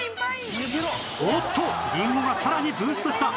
おっとりんごがさらにブーストした